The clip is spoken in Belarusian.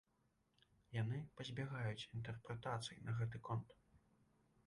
Яны пазбягаюць інтэрпрэтацый на гэты конт.